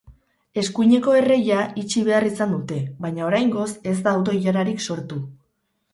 Eskuineko erreia itxi behar izan dute, baina oraingoz ez da auto-ilararik sortu.